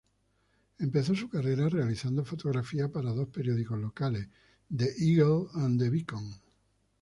Empezó su carrera realizando fotografías para dos periódicos locales, "The Eagle" y "The Beacon".